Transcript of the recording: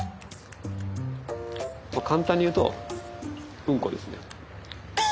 簡単に言うとウンコですね。